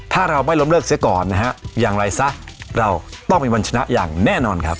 ถ้าเราไม่ล้มเลิกเสียก่อนนะฮะอย่างไรซะเราต้องเป็นวันชนะอย่างแน่นอนครับ